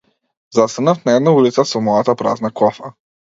Застанав на една улица со мојата празна кофа.